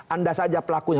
anda saja pelakunya